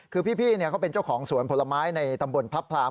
คือพี่เขาเป็นเจ้าของสวนผลไม้ในตำบลพระพราม